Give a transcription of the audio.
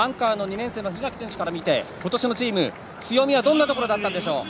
年生檜垣選手から見て、今年のチーム強みはどんなところでしょう？